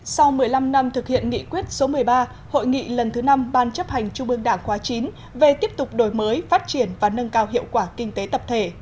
sau một mươi năm năm thực hiện nghị quyết số một mươi ba hội nghị lần thứ năm ban chấp hành trung ương đảng khóa chín về tiếp tục đổi mới phát triển và nâng cao hiệu quả kinh tế tập thể